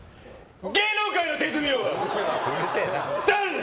芸能界の手積み王は誰だ！？